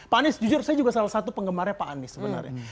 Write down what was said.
pak anies jujur saya juga salah satu penggemarnya pak anies sebenarnya